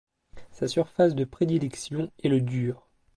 Sa surface de prédilection est le dur.